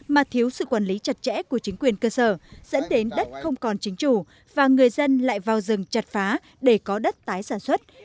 mà thiếu sự quản lý chặt chẽ của chính quyền cơ sở dẫn đến đất không còn chính chủ và người dân lại vào rừng chặt phá để có đất tái sản xuất